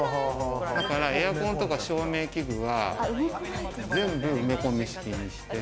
だからエアコンとか照明器具は、全部埋め込み式にして。